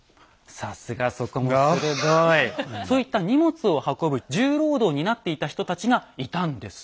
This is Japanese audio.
そういった荷物を運ぶ重労働を担っていた人たちがいたんです。